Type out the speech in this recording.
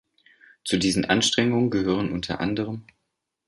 Zu diesen Anstrengungen gehören unter anderem